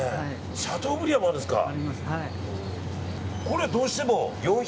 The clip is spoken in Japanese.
シャトーブリアンもあるんですか。